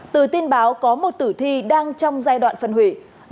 từ tin báo có một tử thi đang trong giai đoạn phân hủy